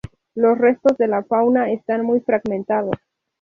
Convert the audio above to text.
Los restos de la fauna están muy fragmentados.